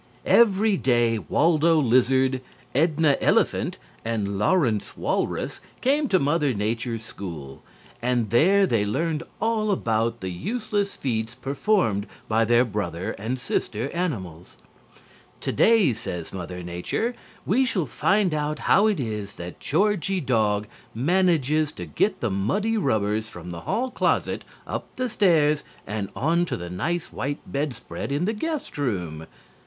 Every day Waldo Lizard, Edna Elephant and Lawrence Walrus came to Mother Nature's school, and there learned all about the useless feats performed by their brother and sister animals. "Today," said Mother Nature, "we shall find out how it is that Georgie Dog manages to get the muddy rubbers from the hall closet, up the stairs, and onto the nice white bedspread in the guest room.